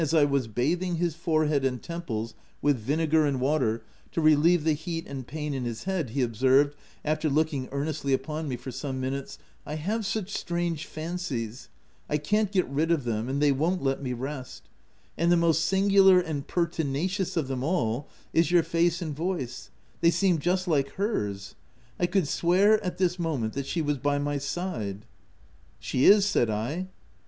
199 I was bathing his forehead and temples with vinegar and water to relieve the heat and pain in his head, he observed, after looking earnestly upon me for some minutes —" I have such strange fancies — I can't get rid of them, and they won't let me rest ; and the most singular and pertinacious of them all, is your face and voice ; they seem just like hers. I could swear at this moment, that she was by my side." * She is/' said I.